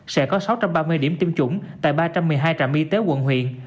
sẽ có sáu trăm ba mươi điểm tiêm chủng tại ba trăm một mươi hai trạm y tế quận huyện